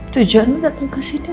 tujuanmu datang kesini